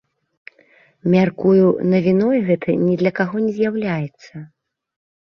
Мяркую, навіной гэта ні для каго не з'яўляецца.